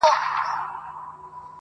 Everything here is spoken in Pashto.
سل ځله مي خپل کتاب له ده سره کتلی دی،